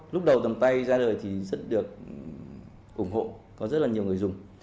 lúc đầu tầm tay ra đời thì rất được ủng hộ có rất là nhiều người dùng